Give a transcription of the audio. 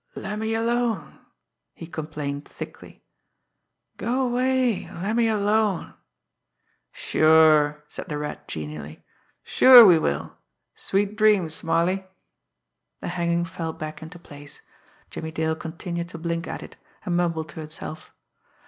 "Lemme alone!" he complained thickly. "Go 'way, an' lemme alone! "Sure!" said the Rat genially. "Sure, we will! Sweet dreams, Smarly!" The hanging fell back into place. Jimmie Dale continued to blink at it, and mumble to himself.